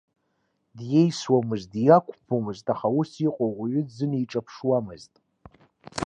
Диеисуамызт, диақәԥомызт, аха ус иҟоу ауаҩы дзынеиҿаԥшуамызт.